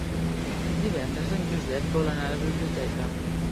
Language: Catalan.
Divendres en Josep vol anar a la biblioteca.